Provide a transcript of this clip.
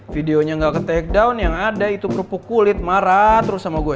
videonya gak ketakedown yang ada itu perpuk kulit marah terus sama gue